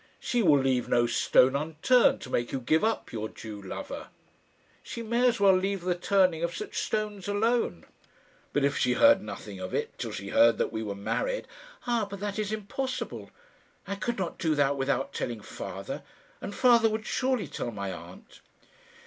She will leave no stone unturned to make you give up your Jew lover." "She may as well leave the turning of such stones alone." "But if she heard nothing of it till she heard that we were married " "Ah! but that is impossible. I could not do that without telling father, and father would surely tell my aunt."